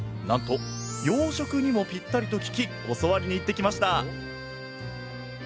なんと洋食にもピッタリと聞き教わりに行ってきました